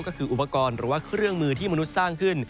ก็คืออุปกรณ์หรือว่าเครื่องมือที่มนุษย์สร้างขึ้น